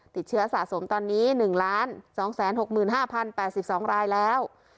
ติดเชื้อสะสมตอนนี้หนึ่งล้านสองแสนหกหมื่นห้าพันแปดสิบสองรายแล้ว